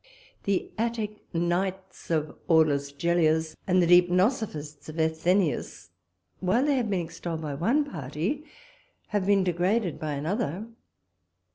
The Attic Nights of Aulus Gellius, and the Deipnosophists of Athenæus, while they have been extolled by one party, have been degraded by another.